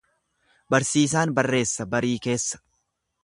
Barsiisaan barreessa barii keessa.